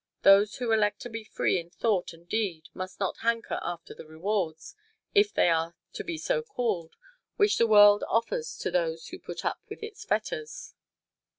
Those who elect to be free in thought and deed must not hanker after the rewards, if they are to be so called, which the world offers to those who put up with its fetters.